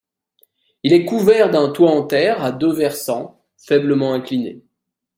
Il est couvert d'un toit en terre à deux versants faiblement inclinés.